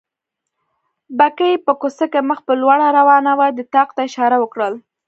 بګۍ په کوڅه کې مخ په لوړه روانه وه، دې طاق ته اشاره وکړل.